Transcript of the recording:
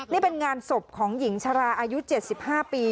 นี่เป็นงานศพของหญิงชราอายุ๗๕ปี